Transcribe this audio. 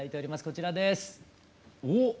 こちらです！